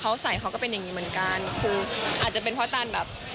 เขาใส่เขาก็เป็นอย่างงี้เหมือนกัน